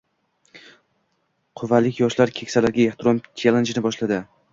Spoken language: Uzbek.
Quvalik yoshlar keksalarga ehtirom chellenjini boshladi